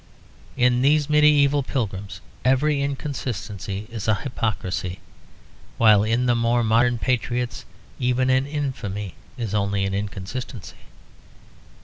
In these medieval pilgrims every inconsistency is a hypocrisy; while in the more modern patriots even an infamy is only an inconsistency.